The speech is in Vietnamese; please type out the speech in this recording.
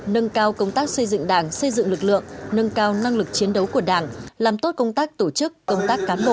nâng cao công tác xây dựng đảng xây dựng lực lượng nâng cao năng lực chiến đấu của đảng làm tốt công tác tổ chức công tác cán bộ